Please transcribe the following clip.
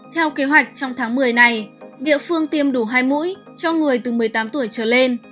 theo kế hoạch trong tháng một mươi này địa phương tiêm đủ hai mũi cho người từ một mươi tám tuổi trở lên